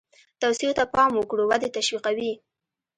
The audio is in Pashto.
توصیو ته پام وکړو ودې تشویقوي.